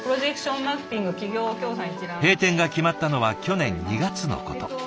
閉店が決まったのは去年２月のこと。